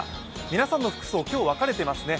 皆さんの服装、今日は分かれていますね。